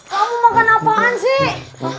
kamu makan apaan sih